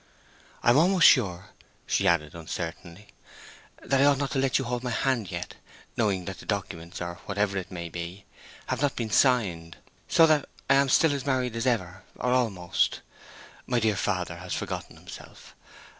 I am almost sure," she added, uncertainly, "that I ought not to let you hold my hand yet, knowing that the documents—or whatever it may be—have not been signed; so that I—am still as married as ever—or almost. My dear father has forgotten himself.